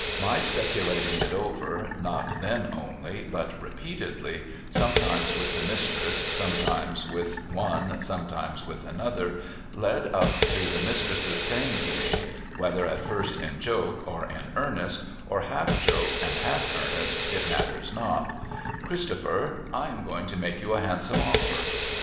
IMy speculating it over, not then only, but repeatedly, sometimes with the Mistress, sometimes with one, sometimes with another, led up to the Mistress's saying to me, — whether at first in joke or in earnest, or half joke and half earnest, it niatters not ; 288 SOMEBODY'S LUGGAGE ' Christopher, I am going to make you a handsome offer.'